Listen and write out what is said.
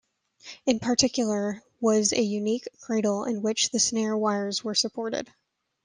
In particular was a unique cradle in which the snare wires were supported.